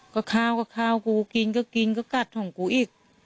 ก็ข้าวกับข้าวกูกินก็กินก็กัดของกูอีก